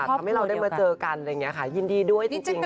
ทำให้เราได้มาเจอกันอะไรอย่างนี้ค่ะยินดีด้วยจริง